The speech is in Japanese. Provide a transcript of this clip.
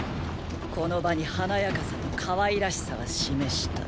この場に華やかさとかわいらしさは示した。